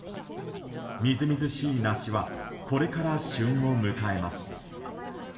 みずみずしい梨はこれから旬を迎えます。